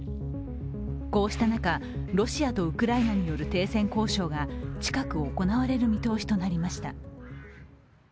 こうした中、ロシアとウクライナによる停戦交渉が近く行われる見通しとなりました。